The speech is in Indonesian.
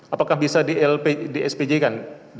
apakah bisa di spj kan